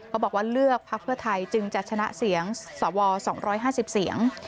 บอกว่าเลือกพักเพื่อไทยจึงจะชนะเสียงสว๒๕๐เสียง